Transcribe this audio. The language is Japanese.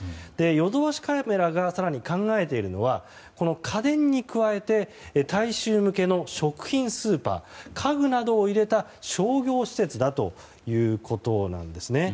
ヨドバシカメラが更に考えているのは家電に加えて大衆向けの食品スーパー家具などを入れた商業施設だということなんですね。